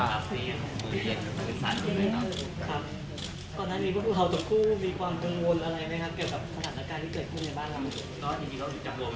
ตอนนี้เราทุกคู่มีความวงวลอะไรไหมครับ